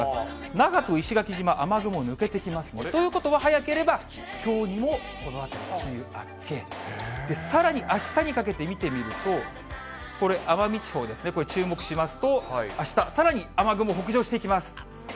那覇と石垣島、雨雲抜けてきますので、ということは早ければ、きょうにもこのあと梅雨明け、さらに、あしたにかけて見てみると、これ、奄美地方ですね、これ、注目しますと、あした、さらに雨雲北上していきます。